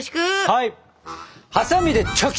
はい！